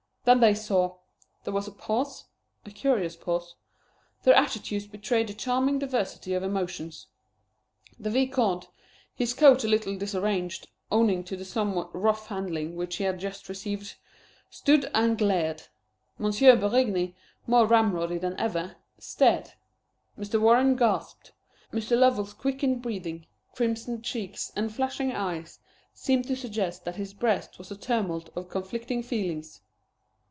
Then they saw. There was a pause a curious pause. Their attitudes betrayed a charming diversity of emotions. The Vicomte, his coat a little disarranged, owing to the somewhat rough handling which he had just received, stood and glared. M. Berigny, more ramroddy than ever, stared. Mr. Warren gasped. Mr. Lovell's quickened breathing, crimsoned cheeks, and flashing eyes seemed to suggest that his breast was a tumult of conflicting feelings.